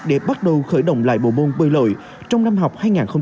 để bắt đầu khởi động lại bộ môn bơi lội trong năm học hai nghìn hai mươi hai nghìn hai mươi